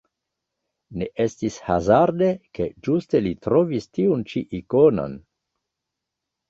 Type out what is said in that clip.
Ne estis hazarde, ke ĝuste li trovis tiun ĉi ikonon.